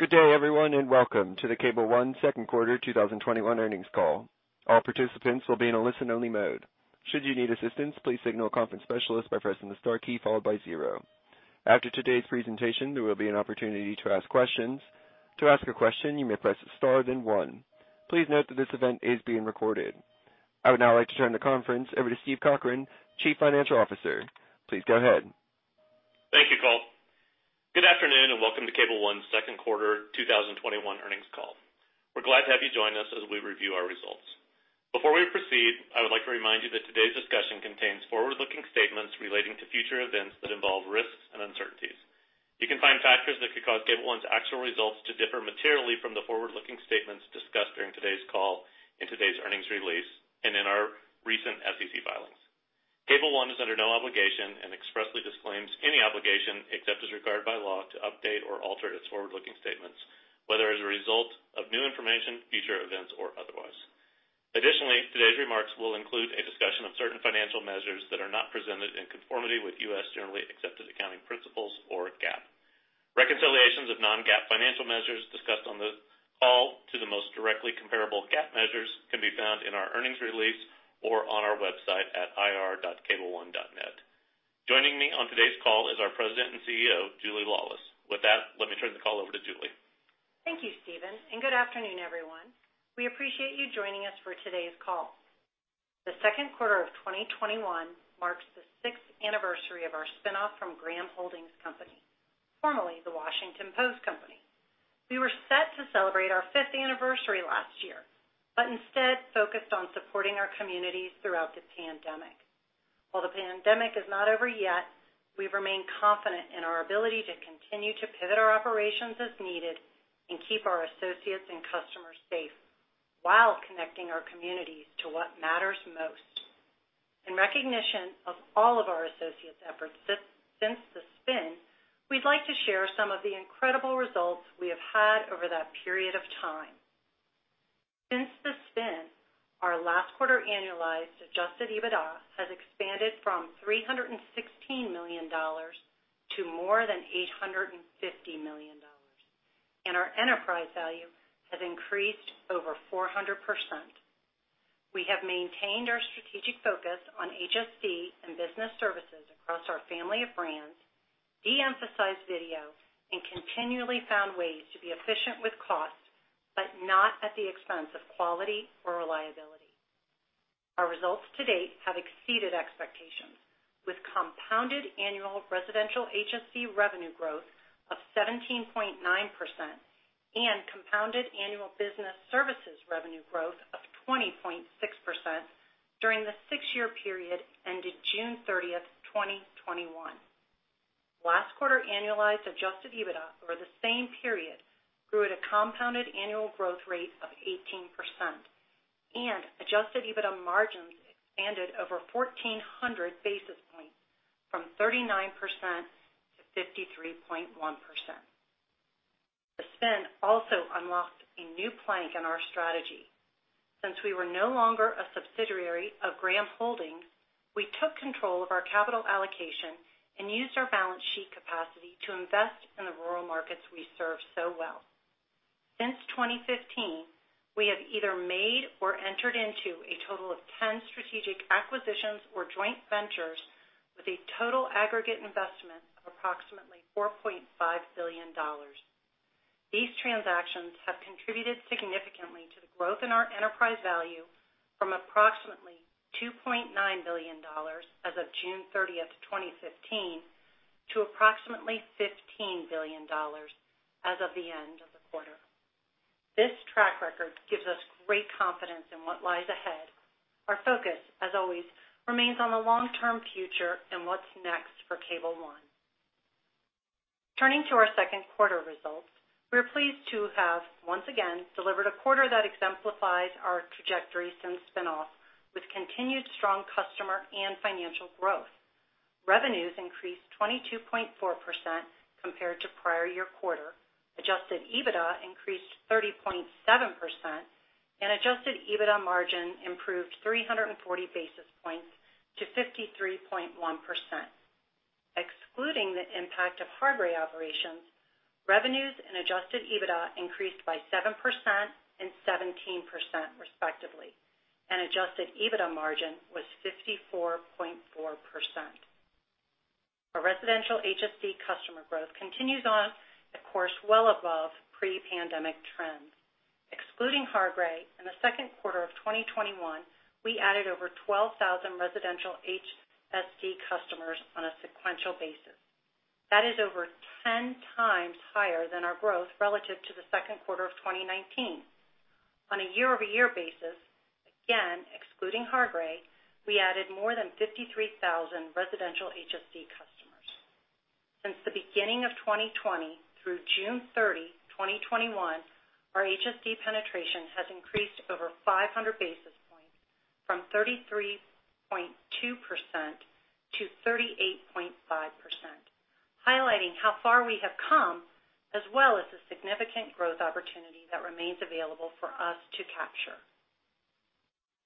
Good day, everyone, and welcome to the Cable One Q2 2021 Earnings Call. All participants will be in a listen-only mode. Should you need assistance, please signal a conference specialist by pressing star key followed by zero. After today's presentation, there will be an opportunity to ask questions. To ask a question, you may press star then one. Please note this event is being recorded. I would now like to turn the conference over to Steven Cochran, Chief Financial Officer. Please go ahead. Thank you, Cole. Good afternoon, and welcome to Cable One's Q2 2021 Earnings Call. We're glad to have you join us as we review our results. Before we proceed, I would like to remind you that today's discussion contains forward-looking statements relating to future events that involve risks and uncertainties. You can find factors that could cause Cable One's actual results to differ materially from the forward-looking statements discussed during today's call in today's earnings release and in our recent SEC filings. Cable One is under no obligation and expressly disclaims any obligation, except as required by law, to update or alter its forward-looking statements, whether as a result of new information, future events, or otherwise. Additionally, today's remarks will include a discussion of certain financial measures that are not presented in conformity with U.S. generally accepted accounting principles, or GAAP. Reconciliations of non-GAAP financial measures discussed on the call to the most directly comparable GAAP measures can be found in our earnings release or on our website at ir.cableone.net. Joining me on today's call is our President and CEO, Julie Laulis. With that, let me turn the call over to Julie. Thank you, Steven, and good afternoon, everyone. We appreciate you joining us for today's call. The Q2 of 2021 marks the sixth anniversary of our spinoff from Graham Holdings Company, formerly The Washington Post Company. We were set to celebrate our fifth anniversary last year, but instead focused on supporting our communities throughout the pandemic. While the pandemic is not over yet, we remain confident in our ability to continue to pivot our operations as needed and keep our associates and customers safe while connecting our communities to what matters most. In recognition of all of our associates' efforts since the spin, we'd like to share some of the incredible results we have had over that period of time. Since the spin, our last quarter annualized adjusted EBITDA has expanded from $316 million to more than $850 million, and our enterprise value has increased over 400%. We have maintained our strategic focus on HSD and business services across our family of brands, de-emphasized video, and continually found ways to be efficient with cost, but not at the expense of quality or reliability. Our results to date have exceeded expectations, with compounded annual residential HSD revenue growth of 17.9% and compounded annual business services revenue growth of 20.6% during the six-year period ended June 30th, 2021. Last quarter annualized adjusted EBITDA over the same period grew at a compounded annual growth rate of 18%, and adjusted EBITDA margins expanded over 1,400 basis points from 39%-53.1%. The spin also unlocked a new plank in our strategy. Since we were no longer a subsidiary of Graham Holdings, we took control of our capital allocation and used our balance sheet capacity to invest in the rural markets we serve so well. Since 2015, we have either made or entered into a total of 10 strategic acquisitions or joint ventures with a total aggregate investment of approximately $4.5 billion. These transactions have contributed significantly to the growth in our enterprise value from approximately $2.9 billion as of June 30th, 2015, to approximately $15 billion as of the end of the quarter. This track record gives us great confidence in what lies ahead. Our focus, as always, remains on the long-term future and what's next for Cable One. Turning to our Q2 results, we are pleased to have, once again, delivered a quarter that exemplifies our trajectory since spinoff with continued strong customer and financial growth. Revenues increased 22.4% compared to prior year quarter, adjusted EBITDA increased 30.7%, and adjusted EBITDA margin improved 340 basis points to 53.1%. Excluding the impact of Hargray operations, revenues and adjusted EBITDA increased by 7% and 17%, respectively, and adjusted EBITDA margin was 54.4%. Our residential HSD customer growth continues on a course well above pre-pandemic trends. Excluding Hargray, in the Q2 of 2021, we added over 12,000 residential HSD customers on a sequential basis. That is over 10x higher than our growth relative to the Q2 of 2019. On a year-over-year basis, again, excluding Hargray, we added more than 53,000 residential HSD customers. Since the beginning of 2020 through June 30, 2021, our HSD penetration has increased over 500 basis points from 33.2%-38.5%, highlighting how far we have come, as well as the significant growth opportunity that remains available for us to capture.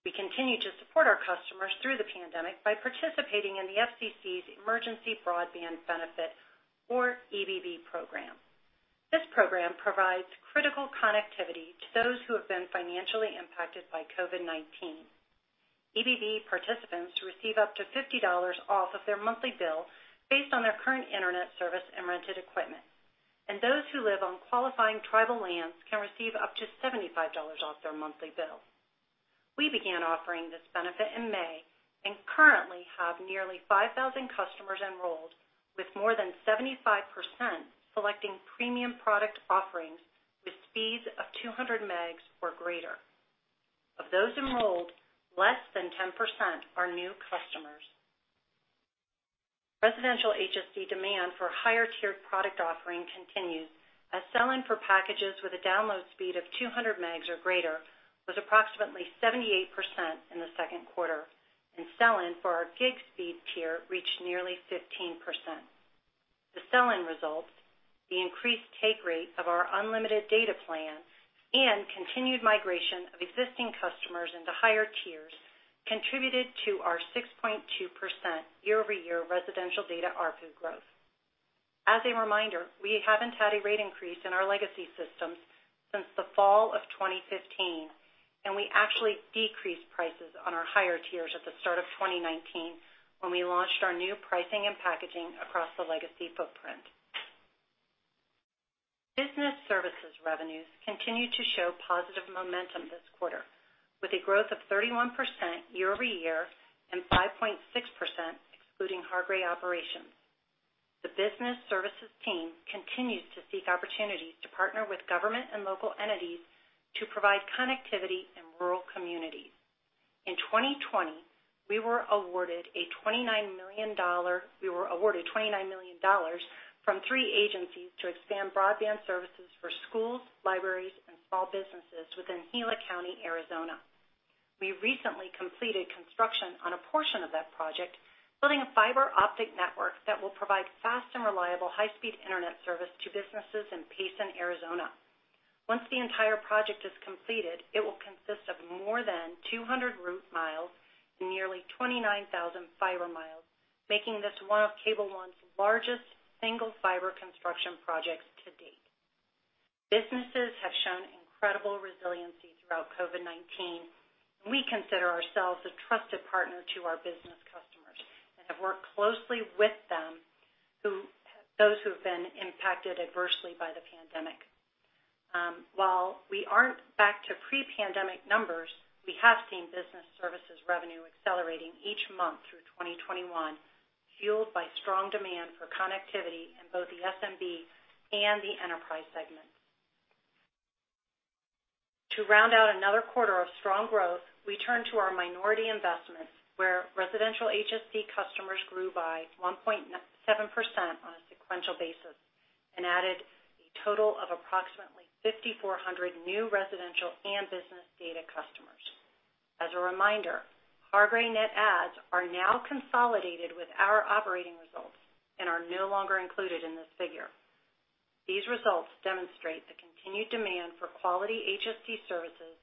We continue to support our customers through the pandemic by participating in the FCC's Emergency Broadband Benefit or EBB program. This program provides critical connectivity to those who have been financially impacted by COVID-19. EBB participants receive up to $50 off of their monthly bill based on their current internet service and rented equipment. Those who live on qualifying tribal lands can receive up to $75 off their monthly bill. We began offering this benefit in May and currently have nearly 5,000 customers enrolled, with more than 75% selecting premium product offerings with speeds of 200 Mbps or greater. Of those enrolled, less than 10% are new customers. Residential HSD demand for higher tiered product offering continues as sell-in for packages with a download speed of 200 Mbps or greater was approximately 78% in the Q2, and sell-in for our gig speed tier reached nearly 15%. The sell-in results, the increased take rate of our unlimited data plan, and continued migration of existing customers into higher tiers contributed to our 6.2% year-over-year residential data ARPU growth. As a reminder, we haven't had a rate increase in our legacy systems since the fall of 2015, and we actually decreased prices on our higher tiers at the start of 2019 when we launched our new pricing and packaging across the legacy footprint. Business services revenues continued to show positive momentum this quarter, with a growth of 31% year-over-year and 5.6% excluding Hargray operations. The business services team continues to seek opportunities to partner with government and local entities to provide connectivity in rural communities. In 2020, we were awarded $29 million from three agencies to expand broadband services for schools, libraries, and small businesses within Gila County, Arizona. We recently completed construction on a portion of that project, building a fiber optic network that will provide fast and reliable high-speed internet service to businesses in Payson, Arizona. Once the entire project is completed, it will consist of more than 200 route miles and nearly 29,000 fiber miles, making this one of Cable One's largest single fiber construction projects to date. Businesses have shown incredible resiliency throughout COVID-19. We consider ourselves a trusted partner to our business customers and have worked closely with those who have been impacted adversely by the pandemic. While we aren't back to pre-pandemic numbers, we have seen business services revenue accelerating each month through 2021, fueled by strong demand for connectivity in both the SMB and the enterprise segment. To round out another quarter of strong growth, we turn to our minority investments, where residential HSD customers grew by 1.7% on a sequential basis and added a total of approximately 5,400 new residential and business data customers. As a reminder, Hargray net adds are now consolidated with our operating results and are no longer included in this figure. These results demonstrate the continued demand for quality HSD services,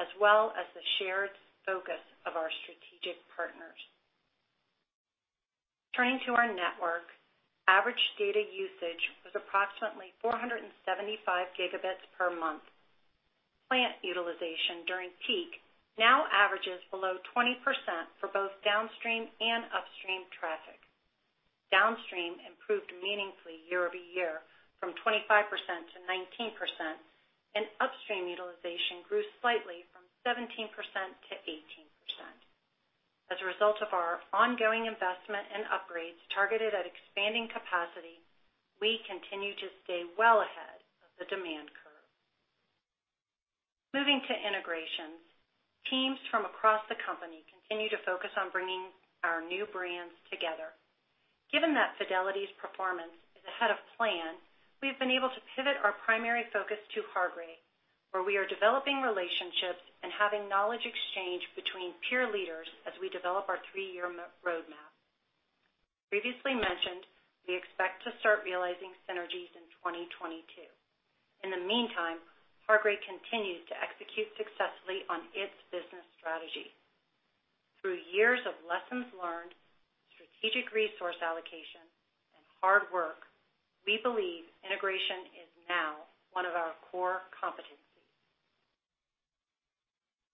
as well as the shared focus of our strategic partners. Turning to our network, average data usage was approximately 475 GB per month. Plant utilization during peak now averages below 20% for both downstream and upstream traffic. Downstream improved meaningfully year-over-year from 25%-19%, and upstream utilization grew slightly from 17%-18%. As a result of our ongoing investment and upgrades targeted at expanding capacity, we continue to stay well ahead of the demand curve. Moving to integrations. Teams from across the company continue to focus on bringing our new brands together. Given that Fidelity's performance is ahead of plan, we've been able to pivot our primary focus to Hargray, where we are developing relationships and having knowledge exchange between peer leaders as we develop our three-year roadmap. Previously mentioned, we expect to start realizing synergies in 2022. In the meantime, Hargray continues to execute successfully on its business strategy. Through years of lessons learned, strategic resource allocation, and hard work, we believe integration is now one of our core competencies.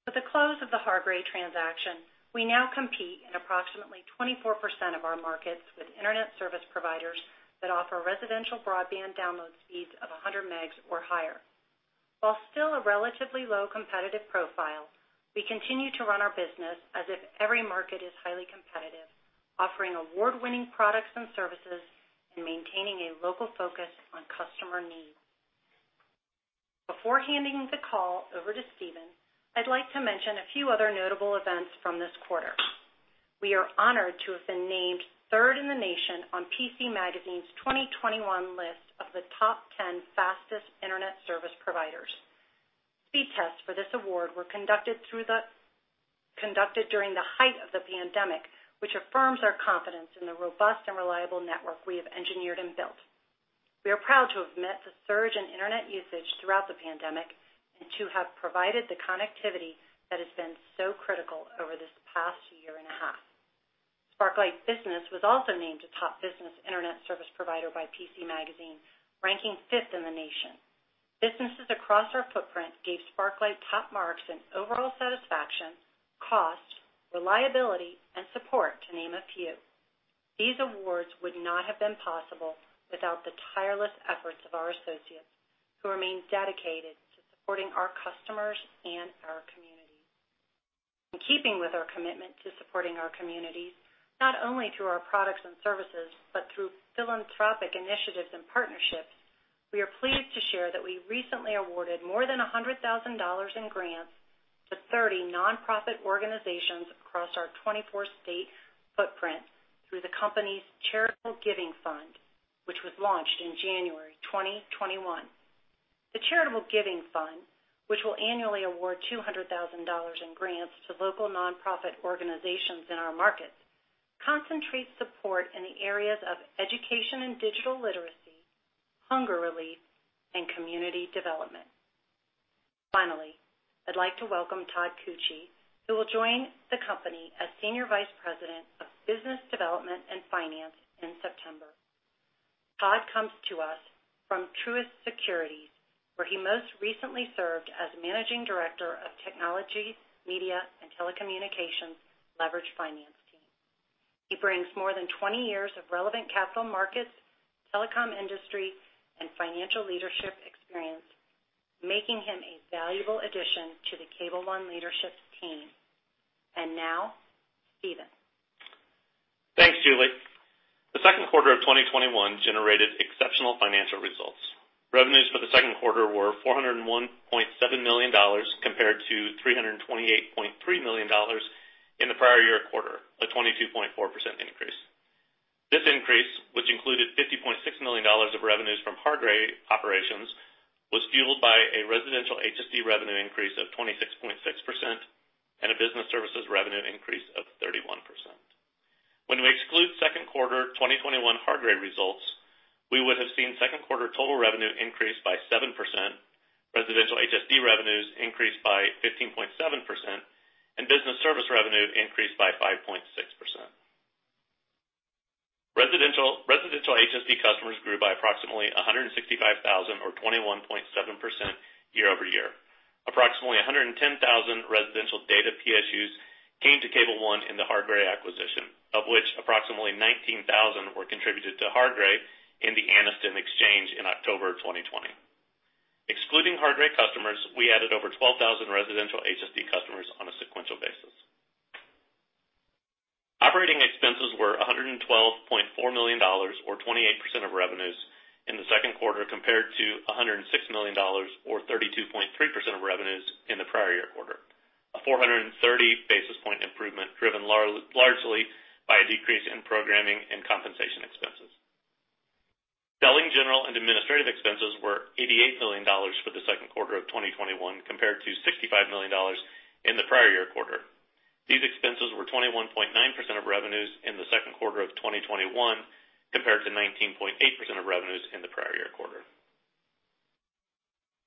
With the close of the Hargray transaction, we now compete in approximately 24% of our markets with internet service providers that offer residential broadband download speeds of 100 MB or higher. While still a relatively low competitive profile, we continue to run our business as if every market is highly competitive, offering award-winning products and services and maintaining a local focus on customer needs. Before handing the call over to Steven, I'd like to mention a few other notable events from this quarter. We are honored to have been named third in the nation on PC Magazine's 2021 list of the Top 10 Fastest Internet Service Providers. Speed tests for this award were conducted during the height of the pandemic, which affirms our confidence in the robust and reliable network we have engineered and built. We are proud to have met the surge in internet usage throughout the pandemic, and to have provided the connectivity that has been so critical over this past year and a half. Sparklight Business was also named a top business internet service provider by PC Magazine, ranking fifth in the nation. Businesses across our footprint gave Sparklight top marks in overall satisfaction, cost, reliability, and support, to name a few. These awards would not have been possible without the tireless efforts of our associates, who remain dedicated to supporting our customers and our communities. In keeping with our commitment to supporting our communities, not only through our products and services, but through philanthropic initiatives and partnerships, we are pleased to share that we recently awarded more than $100,000 in grants to 30 nonprofit organizations across our 24-state footprint through the company's Charitable Giving Fund, which was launched in January 2021. The Charitable Giving Fund, which will annually award $200,000 in grants to local nonprofit organizations in our markets, concentrates support in the areas of education and digital literacy, hunger relief, and community development. Finally, I'd like to welcome Todd Koetje, who will join the company as Senior Vice President of Business Development and Finance in September. Todd comes to us from Truist Securities, where he most recently served as Managing Director of Technologies, Media, and Telecommunications Leveraged Finance Team. He brings more than 20 years of relevant capital markets, telecom industry, and financial leadership experience, making him a valuable addition to the Cable One leadership team. Now, Steven. Thanks, Julie. The Q2 of 2021 generated exceptional financial results. Revenues for the Q2 were $401.7 million, compared to $328.3 million in the prior year quarter, a 22.4% increase. This increase, which included $50.6 million of revenues from Hargray operations, was fueled by a residential HSD revenue increase of 26.6% and a business services revenue increase of 31%. When we exclude Q2 2021 Hargray results, we would have seen Q2 total revenue increase by 7%, residential HSD revenues increase by 15.7%, and business service revenue increase by 5.6%. Residential HSD customers grew by approximately 165,000 or 21.7% year-over-year. Approximately 110,000 residential data PSUs came to Cable One in the Hargray acquisition, of which approximately 19,000 were contributed to Hargray in the Anniston exchange in October 2020. Excluding Hargray customers, we added over 12,000 residential HSD customers on a sequential basis. Operating expenses were $112.4 million, or 28% of revenues in the Q2, compared to $106 million or 32.3% of revenues in the prior year quarter. A 430 basis point improvement, driven largely by a decrease in programming and compensation expenses. Selling, general and administrative expenses were $88 million for the Q2 of 2021, compared to $65 million in the prior year quarter. These expenses were 21.9% of revenues in the Q2 of 2021, compared to 19.8% of revenues in the prior year quarter.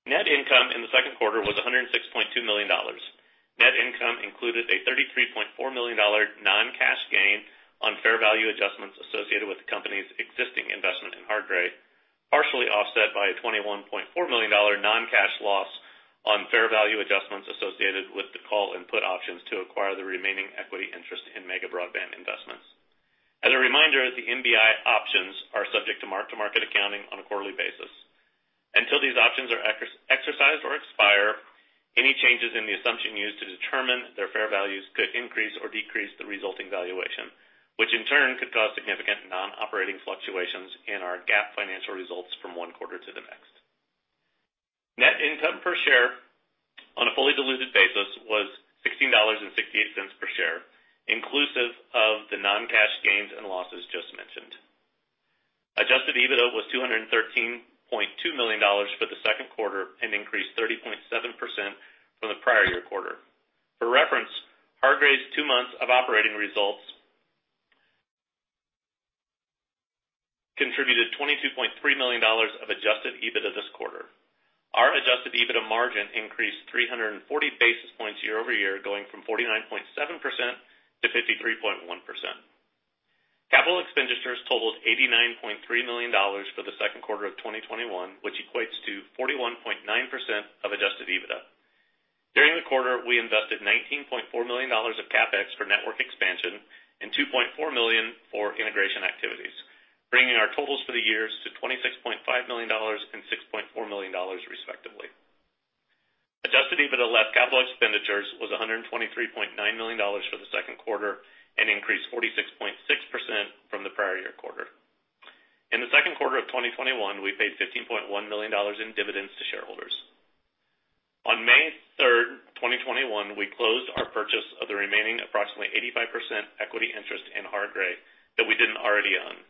Net income in the Q2 was $106.2 million. Net income included a $33.4 million non-cash gain on fair value adjustments associated with the company's existing investment in Hargray, partially offset by a $21.4 million non-cash loss on fair value adjustments associated with the call and put options to acquire the remaining equity interest in Mega Broadband Investments. As a reminder, the MBI options are subject to mark-to-market accounting on a quarterly basis. Until these options are exercised or expire, any changes in the assumption used to determine their fair values could increase or decrease the resulting valuation, which in turn could cause significant non-operating fluctuations in our GAAP financial results from one quarter to the next. Net income per share on a fully diluted basis was $16.68 per share, inclusive of the non-cash gains and losses just mentioned. Adjusted EBITDA was $213.2 million for the Q2, an increase 30.7% from the prior year quarter. For reference, Hargray's two months of operating results contributed $22.3 million of adjusted EBITDA this quarter. Our adjusted EBITDA margin increased 340 basis points year-over-year, going from 49.7%-53.1%. Capital expenditures totaled $89.3 million for the Q2 of 2021, which equates to 41.9% of adjusted EBITDA. During the quarter, we invested $19.4 million of CapEx for network expansion and $2.4 million for integration activities, bringing our totals for the years to $26.5 million and $6.4 million, respectively. Adjusted EBITDA less capital expenditures was $123.9 million for the Q2, an increase 46.6% from the prior year quarter. In the Q2 of 2021, we paid $15.1 million in dividends to shareholders. On May 3rd, 2021, we closed our purchase of the remaining approximately 85% equity interest in Hargray that we didn't already own.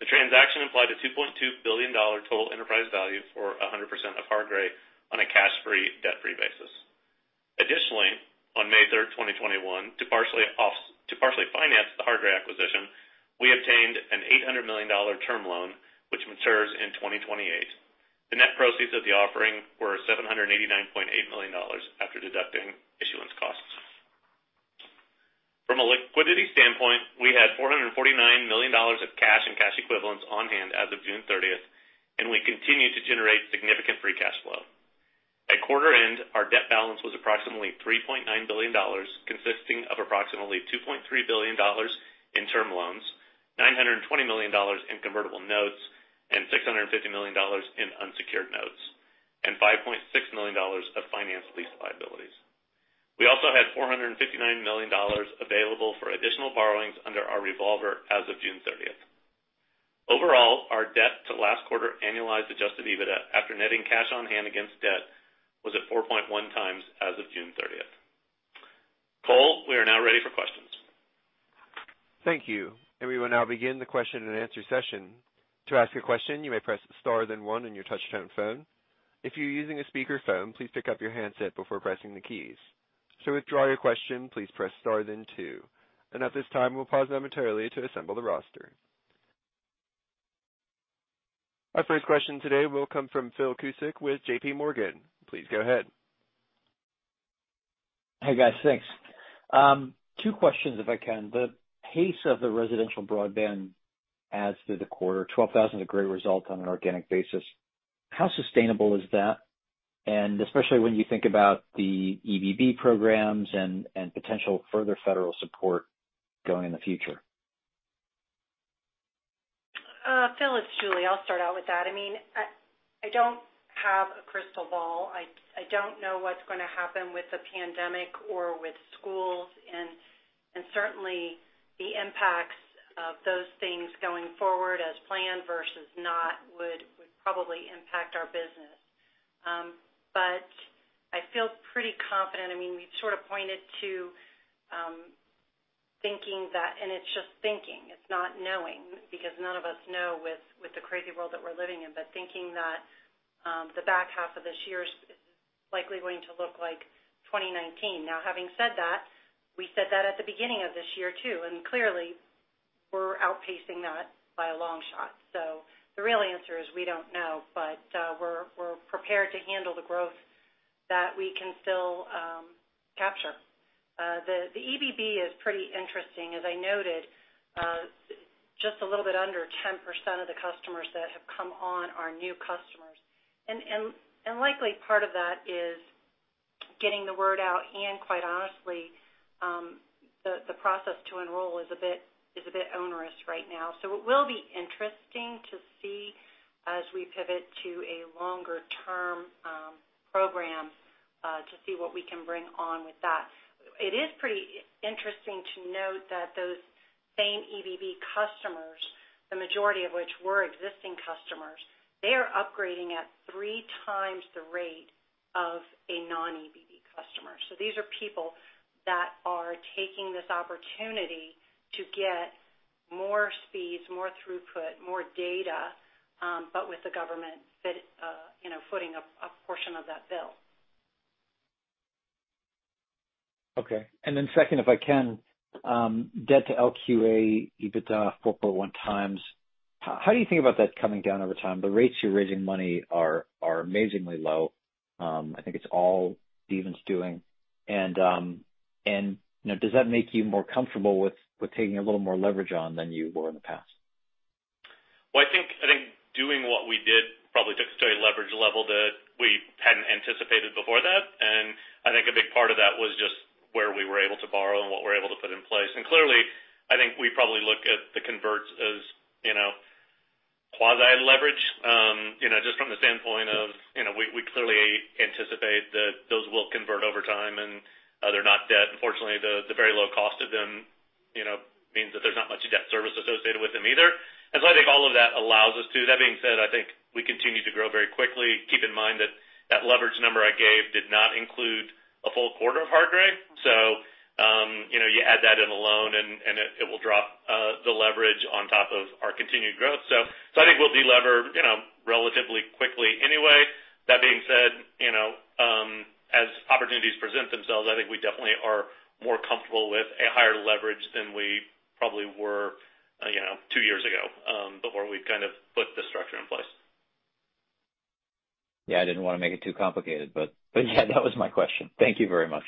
The transaction implied a $2.2 billion total enterprise value for 100% of Hargray on a cash-free, debt-free basis. Additionally, on May 3rd, 2021, to partially finance the Hargray acquisition, we obtained an $800 million term loan, which matures in 2028. The net proceeds of the offering were $789.8 million after deducting issuance costs. From a liquidity standpoint, we had $449 million of cash and cash equivalents on hand as of June 30th, and we continue to generate significant free cash flow. At quarter end, our debt balance was approximately $3.9 billion, consisting of approximately $2.3 billion in term loans, $920 million in convertible notes, and $650 million in unsecured notes, and $5.6 million of finance lease liabilities. We also had $459 million available for additional borrowings under our revolver as of June 30th. Overall, our debt to last quarter annualized adjusted EBITDA after netting cash on hand against debt was at 4.1x as of June 30th. Cole, we are now ready for questions. Thank you. We will now begin the question and answer session. To ask a question, you may press star then one on your touchtone phone. If you are using a speakerphone, please pick up your handset before pressing the keys. To withdraw your question, please press star then two. At this time, we'll pause momentarily to assemble the roster. Our first question today will come from Phil Cusick with JPMorgan. Please go ahead. Hey, guys. Thanks. Two questions if I can. The pace of the residential broadband adds to the quarter 12,000, a great result on an organic basis. How sustainable is that? Especially when you think about the EBB programs and potential further federal support going in the future. Phil, it's Julie. I'll start out with that. I don't have a crystal ball. I don't know what's going to happen with the pandemic or with schools, and certainly the impacts of those things going forward as planned versus not would probably impact our business. But I feel pretty confident. We've sort of pointed to thinking that, and it's just thinking, it's not knowing, because none of us know with the crazy world that we're living in, but thinking that the back half of this year is likely going to look like 2019. Now, having said that, we said that at the beginning of this year, too, and clearly, we're outpacing that by a long shot. The real answer is we don't know, but we're prepared to handle the growth that we can still capture. The EBB is pretty interesting. As I noted, just a little bit under 10% of the customers that have come on are new customers. Likely part of that is getting the word out and quite honestly, the process to enroll is a bit onerous right now. It will be interesting to see as we pivot to a longer-term program to see what we can bring on with that. It is pretty interesting to note that those same EBB customers, the majority of which were existing customers, they are upgrading at 3x the rate of a non-EBB customer. These are people that are taking this opportunity to get more speeds, more throughput, more data, but with the government footing a portion of that bill. Okay. Second, if I can, debt to LQA EBITDA 4.1x. How do you think about that coming down over time? The rates you're raising money are amazingly low. I think it's all Steven's doing. Does that make you more comfortable with taking a little more leverage on than you were in the past? Well, I think doing what we did probably took us to a leverage level that we hadn't anticipated before that, and I think a big part of that was just where we were able to borrow and what we're able to put in place. Clearly, I think we probably look at the converts as quasi-leverage, just from the standpoint of we clearly anticipate that those will convert over time, and they're not debt. Fortunately, the very low cost of them means that there's not much debt service associated with them either. I think all of that allows us to. That being said, I think we continue to grow very quickly. Keep in mind that that leverage number I gave did not include a full quarter of Hargray. You add that in the loan, and it will drop the leverage on top of our continued growth. I think we'll deliver relatively quickly anyway. That being said, as opportunities present themselves, I think we definitely are more comfortable with a higher leverage than we probably were two years ago, before we kind of put the structure in place. Yeah, I didn't want to make it too complicated. Yeah, that was my question. Thank you very much.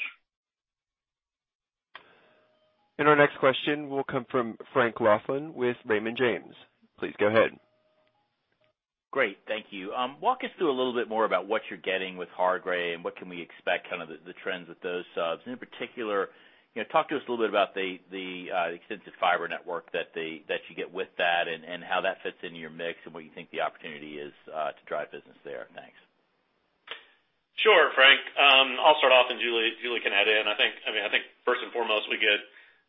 Our next question will come from Frank Louthan with Raymond James. Please go ahead. Great. Thank you. Walk us through a little bit more about what you're getting with Hargray and what can we expect, kind of the trends with those subs. In particular, talk to us a little bit about the extensive fiber network that you get with that and how that fits into your mix and what you think the opportunity is to drive business there. Thanks. Sure, Frank. I'll start off and Julie can add in. I think first and foremost, we get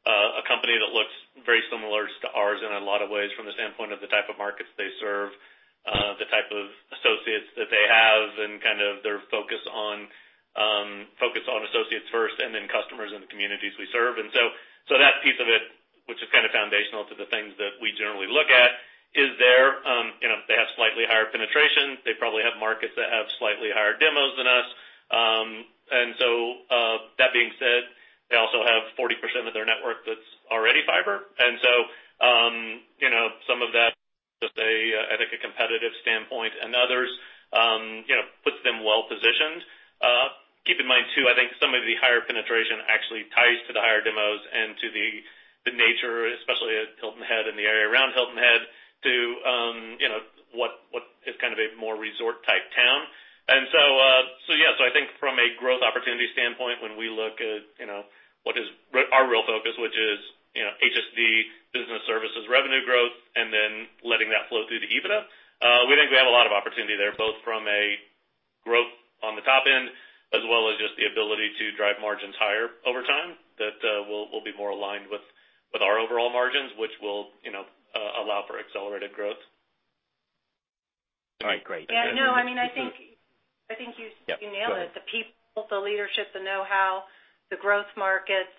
a company that looks very similar to ours in a lot of ways from the standpoint of the type of markets they serve, the type of associates that they have, and kind of their focus on associates first and then customers in the communities we serve. That piece of it, which is kind of foundational to the things that we generally look at, is there. They have slightly higher penetration. They probably have markets that have slightly higher demos than us. That being said, they also have 40% of their network that's already fiber. Some of that, just I think a competitive standpoint and others puts them well-positioned. Keep in mind too, I think some of the higher penetration actually ties to the higher demos and to the nature, especially at Hilton Head and the area around Hilton Head, to what is kind of a more resort-type town. Yes, I think from a growth opportunity standpoint, when we look at what is our real focus, which is HSD business services revenue growth, and then letting that flow through to the EBITDA, we think we have a lot of opportunity there, both from a growth on the top end as well as just the ability to drive margins higher over time that will be more aligned with our overall margins, which will allow for accelerated growth. All right, great. Yeah, no, I think. Yeah, go ahead. You nailed it. The people, the leadership, the know-how, the growth markets,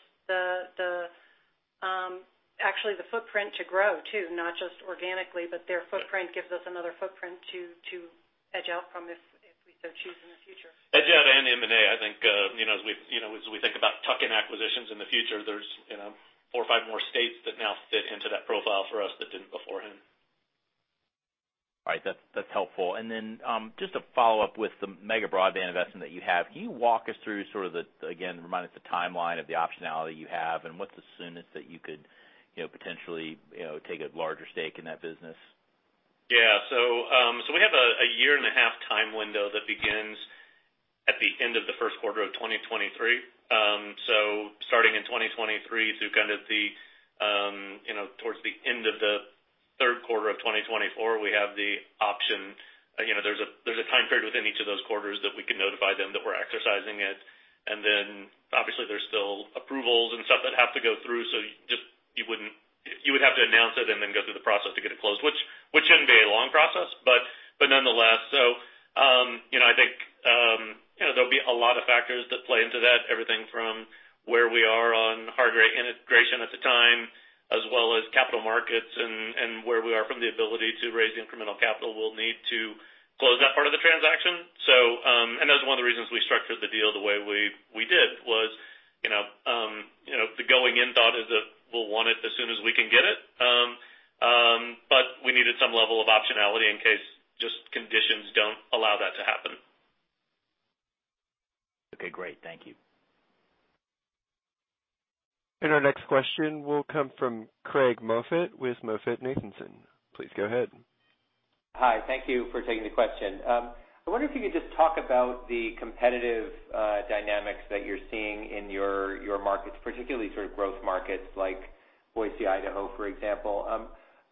actually the footprint to grow, too, not just organically, but their footprint gives us another footprint to edge out from if we so choose in the future. Edge out and M&A. I think, as we think about tuck-in acquisitions in the future, there's four or five more states that now fit into that profile for us that didn't beforehand. All right. That's helpful. Just to follow up with the Mega Broadband Investments that you have, can you walk us through sort of the, again, remind us the timeline of the optionality you have and what's the soonest that you could potentially take a larger stake in that business? Yeah. We have a year-and-a-half time window that begins at the end of the Q1 of 2023. Starting in 2023 through kind of towards the end of the Q3 of 2024, we have the option. There's a time period within each of those quarters that we can notify them that we're exercising it. Obviously there's still approvals and stuff that have to go through. You would have to announce it and then go through the process to get it closed, which shouldn't be a long process, but nonetheless. I think there'll be a lot of factors that play into that. Everything from where we are on Hargray integration at the time, as well as capital markets and where we are from the ability to raise incremental capital we'll need to close that part of the transaction. That's one of the reasons we structured the deal the way we did was the going in thought is that we'll want it as soon as we can get it. We needed some level of optionality in case just conditions don't allow that to happen. Okay, great. Thank you. Our next question will come from Craig Moffett with MoffettNathanson. Please go ahead. Hi. Thank you for taking the question. I wonder if you could just talk about the competitive dynamics that you're seeing in your markets, particularly sort of growth markets like Boise, Idaho, for example.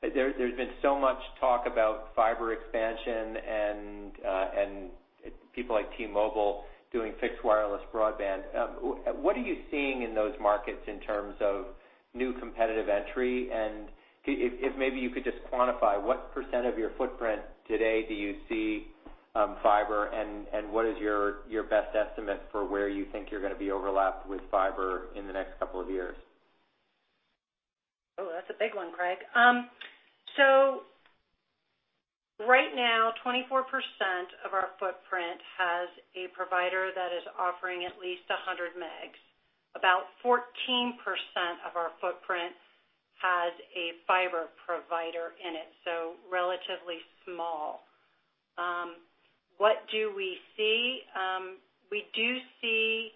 There's been so much talk about fiber expansion and people like T-Mobile doing fixed wireless broadband. What are you seeing in those markets in terms of new competitive entry? If maybe you could just quantify what percent of your footprint today do you see fiber, and what is your best estimate for where you think you're going to be overlapped with fiber in the next couple of years? That's a big one, Craig. Right now, 24% of our footprint has a provider that is offering at least 100 MB. About 14% of our footprint has a fiber provider in it, so relatively small. What do we see? We do see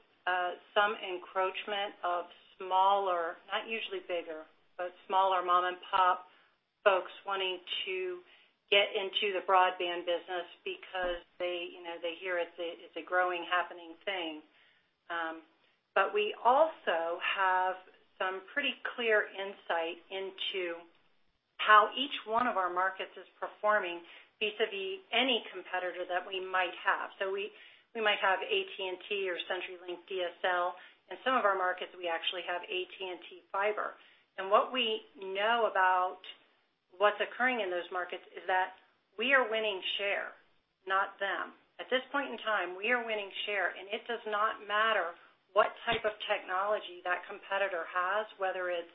some encroachment of smaller, not usually bigger, but smaller mom-and-pop folks wanting to get into the broadband business because they hear it's a growing, happening thing. We also have some pretty clear insight into how each one of our markets is performing vis-a-vis any competitor that we might have. We might have AT&T or CenturyLink DSL. In some of our markets, we actually have AT&T fiber. What we know about what's occurring in those markets is that we are winning share, not them. At this point in time, we are winning share. It does not matter what type of technology that competitor has, whether it's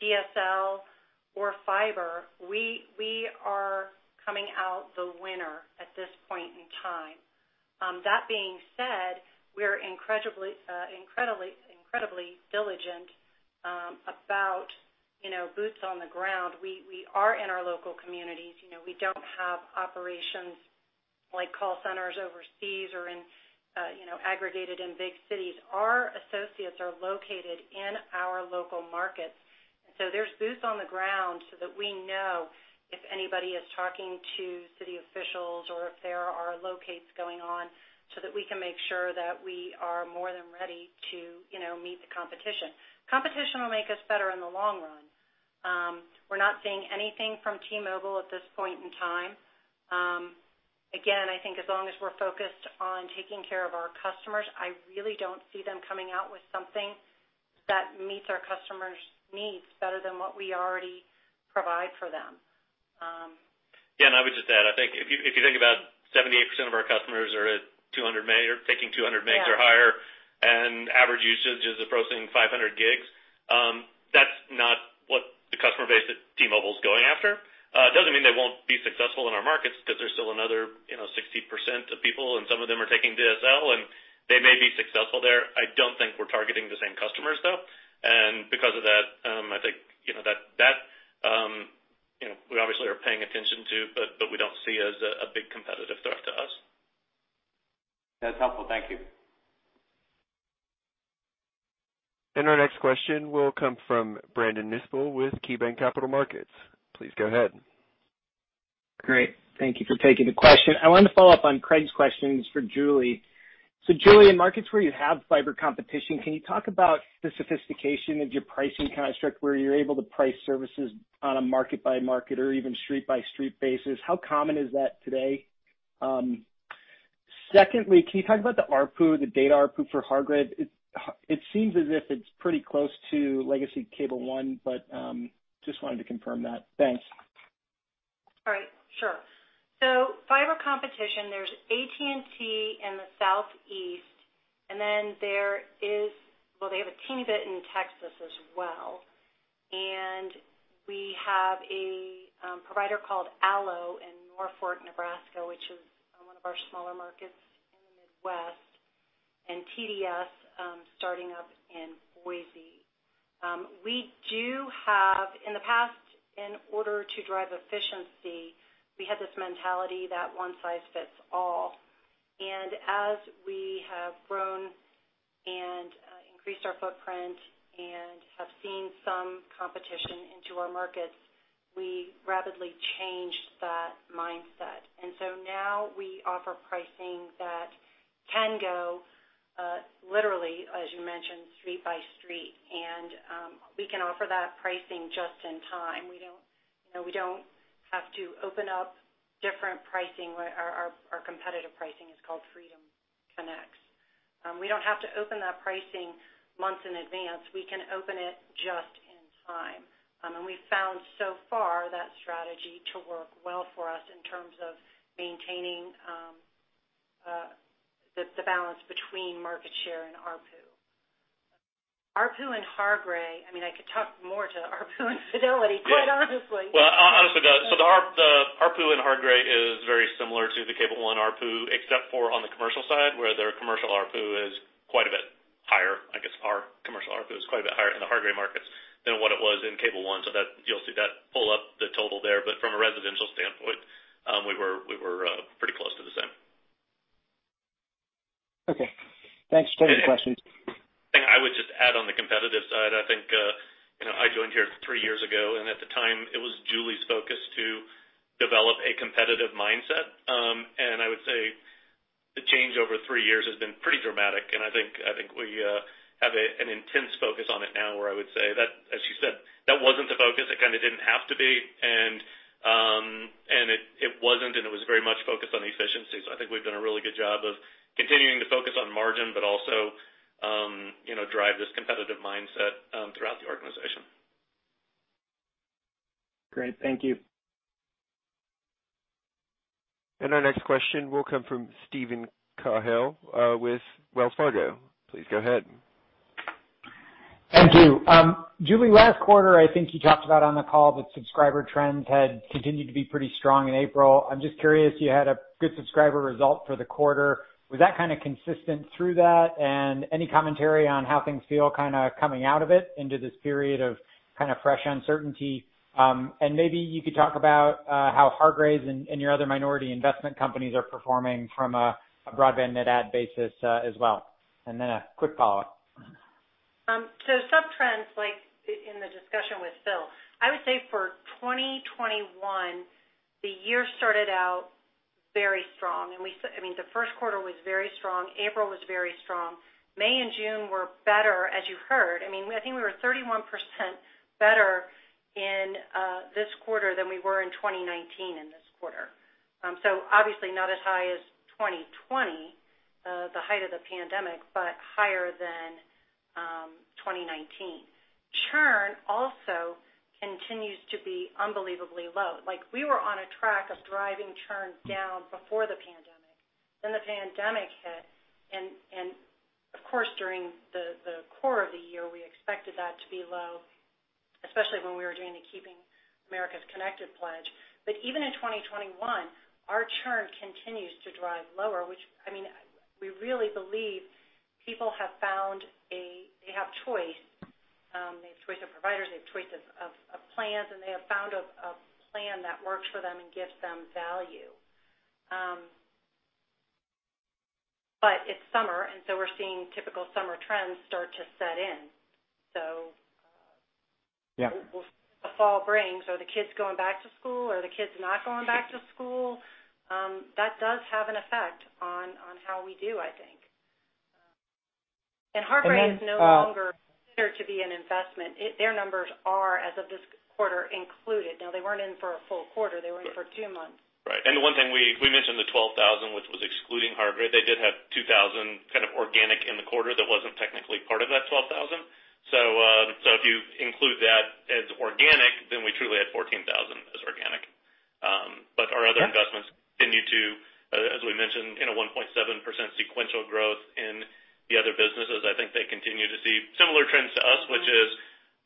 DSL or fiber, we are coming out the winner at this point in time. That being said, we're incredibly diligent about boots on the ground. We are in our local communities. We don't have operations like call centers overseas or aggregated in big cities. Our associates are located in our local markets. There's boots on the ground so that we know if anybody is talking to city officials or if there are locates going on, so that we can make sure that we are more than ready to meet the competition. Competition will make us better in the long run. We're not seeing anything from T-Mobile at this point in time. I think as long as we're focused on taking care of our customers, I really don't see them coming out with something that meets our customers' needs better than what we already provide for them. I would just add, I think if you think about 78% of our customers are taking 200 MB or higher, and average usage is approaching 500 GB. That's not what the customer base that T-Mobile's going after. Doesn't mean they won't be successful in our markets because there's still another 60% of people, and some of them are taking DSL, and they may be successful there. I don't think we're targeting the same customers, though. Because of that, I think we obviously are paying attention to, but we don't see as a big competitive threat to us. That's helpful. Thank you. Our next question will come from Brandon Nispel with KeyBanc Capital Markets. Please go ahead. Great. Thank you for taking the question. I wanted to follow up on Craig's questions for Julie. Julie, in markets where you have fiber competition, can you talk about the sophistication of your pricing construct, where you're able to price services on a market-by-market or even street-by-street basis? How common is that today? Secondly, can you talk about the ARPU, the data ARPU for Hargray? It seems as if it's pretty close to legacy Cable One, but just wanted to confirm that. Thanks. All right. Sure. Fiber competition, there's AT&T in the Southeast, they have a teeny bit in Texas as well. We have a provider called ALLO in Norfolk, Nebraska, which is one of our smaller markets in the Midwest, TDS starting up in Boise. We do have in the past, in order to drive efficiency, we had this mentality that one size fits all. As we have grown and increased our footprint and have seen some competition into our markets, we rapidly changed that mindset. Now we offer pricing that can go literally, as you mentioned, street by street. We can offer that pricing just in time. We don't have to open up different pricing. Our competitive pricing is called Freedom Connects. We don't have to open that pricing months in advance. We can open it just in time. We've found so far that strategy to work well for us in terms of maintaining the balance between market share and ARPU. ARPU and Hargray, I could talk more to ARPU and Fidelity quite honestly. Well, honestly, the ARPU in Hargray is very similar to the Cable One ARPU, except for on the commercial side, where their commercial ARPU is quite a bit higher. I guess our commercial ARPU is quite a bit higher in the Hargray markets than what it was in Cable One, so you'll see that pull up the total there. From a residential standpoint, we were pretty close to the same. Okay, thanks for taking the questions. I would just add on the competitive side, I think I joined here three years ago, at the time, it was Julie's focus to develop a competitive mindset. I would say the change over three years has been pretty dramatic, I think we have an intense focus on it now where I would say that, as she said, that wasn't the focus. It kind of didn't have to be. It wasn't, it was very much focused on efficiency. I think we've done a really good job of continuing to focus on margin, also drive this competitive mindset throughout the organization. Great. Thank you. Our next question will come from Steven Cahall with Wells Fargo. Please go ahead. Thank you. Julie, last quarter, I think you talked about on the call that subscriber trends had continued to be pretty strong in April. I'm just curious, you had a good subscriber result for the quarter. Was that kind of consistent through that? Any commentary on how things feel kind of coming out of it into this period of kind of fresh uncertainty? Maybe you could talk about how Hargray's and your other minority investment companies are performing from a broadband net add basis as well. A quick follow-up. Sub-trends, like in the discussion with Phil Cusick, I would say for 2021, the year started out very strong. The Q1 was very strong. April was very strong. May and June were better, as you heard. I think we were 31% better in this quarter than we were in 2019 in this quarter. Obviously not as high as 2020, the height of the pandemic, but higher than 2019. Churn also continues to be unbelievably low. We were on a track of driving churn down before the pandemic. The pandemic hit, and of course, during the core of the year, we expected that to be low, especially when we were doing the Keep Americans Connected pledge. Even in 2021, our churn continues to drive lower, which we really believe people have choice. They have choice of providers, they have choice of plans, and they have found a plan that works for them and gives them value. It's summer, we're seeing typical summer trends start to set in. Yeah. The fall brings, are the kids going back to school? Are the kids not going back to school? That does have an effect on how we do, I think. Hargray is no longer considered to be an investment. Their numbers are, as of this quarter, included. They weren't in for a full quarter, they were in for two months. Right. The one thing we mentioned, the 12,000, which was excluding Hargray, they did have 2,000 kind of organic in the quarter that wasn't technically part of that 12,000. If you include that as organic, then we truly had 14,000 as organic. Our other You mentioned 1.7% sequential growth in the other businesses. I think they continue to see similar trends to us, which is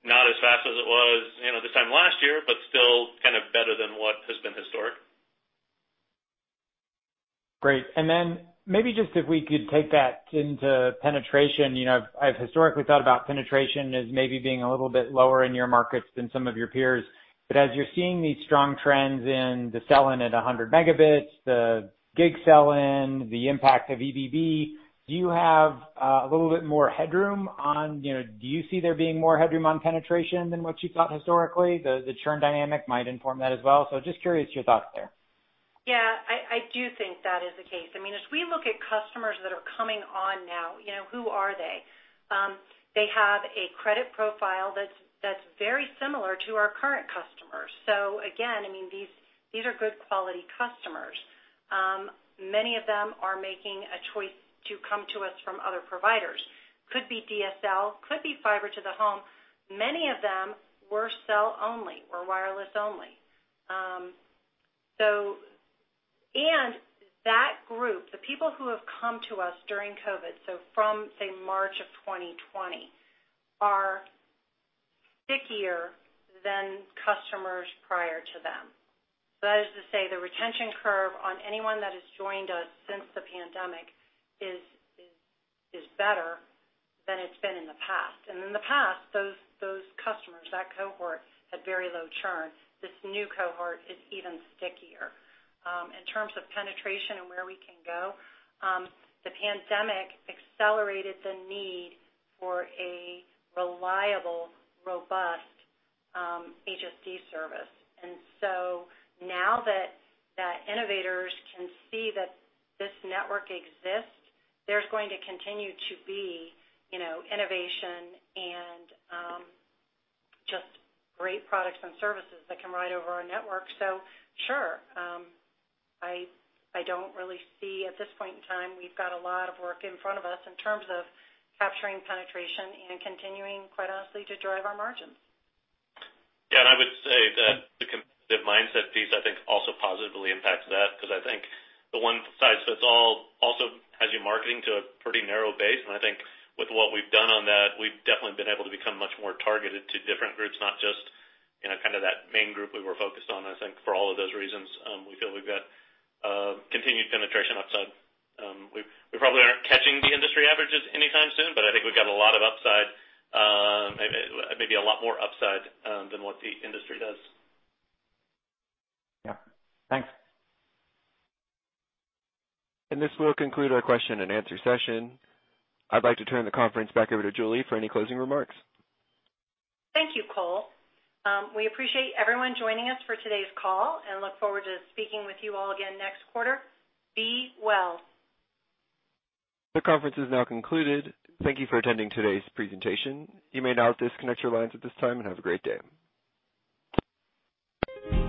not as fast as it was this time last year, but still kind of better than what has been historic. Great. Maybe just if we could take that into penetration. I've historically thought about penetration as maybe being a little bit lower in your markets than some of your peers. As you're seeing these strong trends in the sell-in at 100 Mb, the gig sell-in, the impact of EBB, do you see there being more headroom on penetration than what you thought historically? The churn dynamic might inform that as well. Just curious your thoughts there. Yeah, I do think that is the case. If we look at customers that are coming on now, who are they? They have a credit profile that's very similar to our current customers. Again, these are good quality customers. Many of them are making a choice to come to us from other providers. Could be DSL, could be fiber to the home. Many of them were cell only or wireless only. That group, the people who have come to us during COVID, from, say, March of 2020, are stickier than customers prior to them. That is to say, the retention curve on anyone that has joined us since the pandemic is better than it's been in the past. In the past, those customers, that cohort, had very low churn. This new cohort is even stickier. In terms of penetration and where we can go, the pandemic accelerated the need for a reliable, robust HSD service. Now that innovators can see that this network exists, there's going to continue to be innovation and just great products and services that can ride over our network. Sure, I don't really see at this point in time, we've got a lot of work in front of us in terms of capturing penetration and continuing, quite honestly, to drive our margins. Yeah. And I would say that the competitive mindset piece, I think, also positively impacts that because I think the one size fits all also has you marketing to a pretty narrow base. I think with what we've done on that, we've definitely been able to become much more targeted to different groups, not just kind of that main group we were focused on. I think for all of those reasons, we feel we've got continued penetration upside. We probably aren't catching the industry averages anytime soon, but I think we've got a lot of upside, maybe a lot more upside than what the industry does. Yeah. Thanks. This will conclude our question and answer session. I'd like to turn the conference back over to Julie for any closing remarks. Thank you, Cole. We appreciate everyone joining us for today's call and look forward to speaking with you all again next quarter. Be well. This conference is now concluded. Thank you for attending today's presentation. You may now disconnect your lines at this time and have a great day.